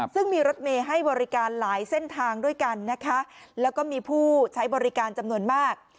ซึ่งมีรถเมย์ให้บริการหลายเส้นทางด้วยกันนะคะแล้วก็มีผู้ใช้บริการจำนวนมาก